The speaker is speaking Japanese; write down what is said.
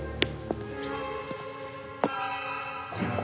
ここ？